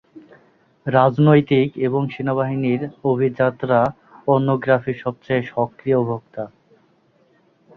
রাজনৈতিক এবং সেনাবাহিনীর অভিজাতরা পর্নোগ্রাফির সবচেয়ে সক্রিয় ভোক্তা।